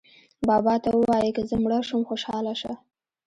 بابا ته ووایئ که زه مړه شوم خوشاله شه.